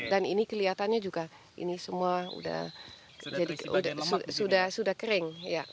ini kelihatannya juga ini semua sudah kering